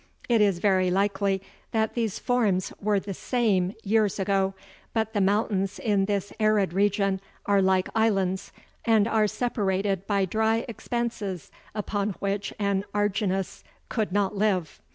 It is very likely that these forms were the same years ago, but the mountains in this arid region are like islands, and are separated by dry expanses upon which an Argynnis could not live.